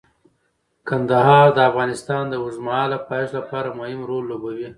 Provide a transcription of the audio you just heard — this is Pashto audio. کندهار د افغانستان د اوږدمهاله پایښت لپاره مهم رول لوبوي.